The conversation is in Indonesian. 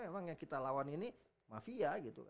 memang yang kita lawan ini mafia gitu